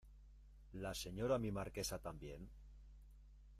¿ la Señora mi Marquesa también?